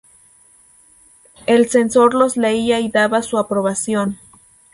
El censor los leía y daba su aprobación.